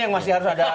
yang masih harus ada